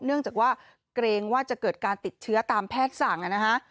เนื่องจากว่าเกรงว่าจะเกิดการติดเชื้อตามแพทย์สั่งนะฮะ